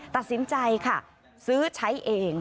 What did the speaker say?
ตัดสินใจค่ะซื้อใช้เอง